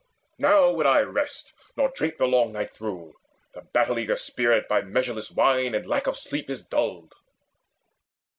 Now would I rest, nor drink The long night through. The battle eager spirit By measureless wine and lack of sleep is dulled."